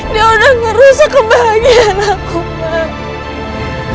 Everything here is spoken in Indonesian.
dia udah ngerusak kebahagiaan aku ma